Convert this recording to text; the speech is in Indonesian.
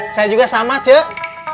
saya juga sama cek